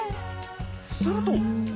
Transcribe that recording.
すると。